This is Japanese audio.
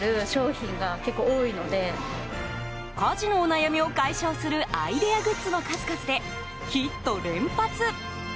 家事のお悩みを解消するアイデアグッズの数々でヒット連発。